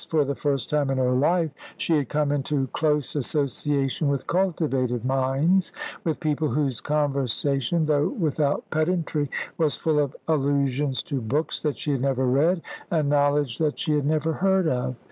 For the first time in her life she had come into close association with cultivated minds with people whose conversation, though without pedantry, was full of allusions to books that she had never read, and knowledge that she had never heard of.